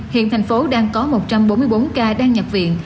hiện thành phố đang có một trăm bốn mươi bốn ca đang nhập viện